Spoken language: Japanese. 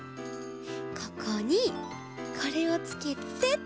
ここにこれをつけてっと。